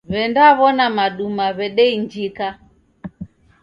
W'endaw'ona maduma w'edeinjika.